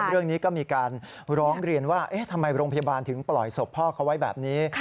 เรื่องนี้ก็มีการร้องเรียนว่าทำไมโรงพยาบาลถึงปล่อยศพพ่อเขาไว้แบบนี้